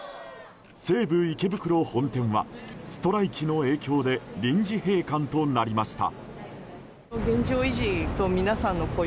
西武池袋本店はストライキの影響で臨時閉館となりました。